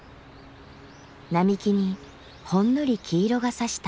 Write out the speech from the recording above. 並木にほんのり黄色がさした。